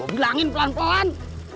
gue bilangin pelan pelan